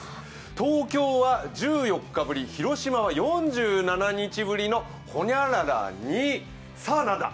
東京は１４日ぶり、広島は４７日ぶりの○○、さあ、何だ？